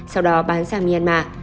sau đó bán sang myanmar